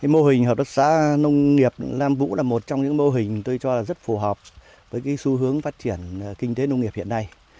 mô hình hợp tác xã nông nghiệp lam vũ là một trong những mô hình tôi cho là rất phù hợp với xu hướng phát triển kinh tế nông nghiệp hiện nay